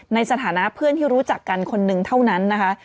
ในฐานะเพื่อนที่รู้จักกันคนหนึ่งเท่านั้นนะคะ